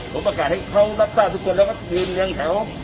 ผมประกาศให้เขารับทราบทุกคนแล้วก็คืนเรียงแถว